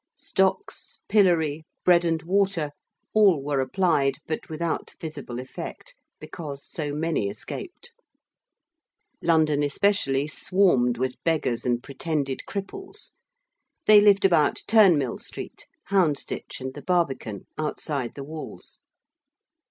Stocks, pillory, bread and water, all were applied, but without visible effect, because so many escaped. London especially swarmed with beggars and pretended cripples. They lived about Turnmill Street, Houndsditch and the Barbican, outside the walls.